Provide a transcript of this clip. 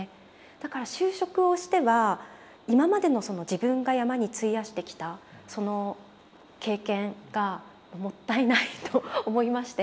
だから就職をしては今までのその自分が山に費やしてきたその経験がもったいないと思いまして。